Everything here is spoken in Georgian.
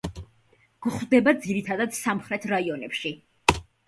გვხვდება ძირითადად სამხრეთ რაიონებში.